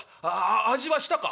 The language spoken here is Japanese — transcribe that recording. あ味はしたか？」。